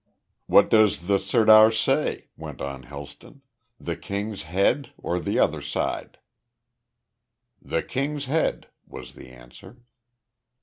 "What does the sirdar say?" went on Helston. "The King's head or the other side?" "The King's head," was the answer.